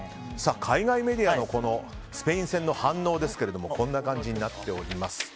海外メディアのスペイン戦の反応はこんな感じになっています。